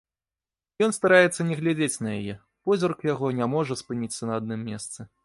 Ён стараецца не глядзець на яе, позірк яго не можа спыніцца на адным месцы.